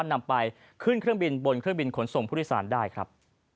นำไปขึ้นเครื่องบินบนเครื่องบินขนส่งผู้โดยสารได้ครับ